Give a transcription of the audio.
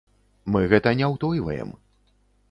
Мы гэта не ўтойваем.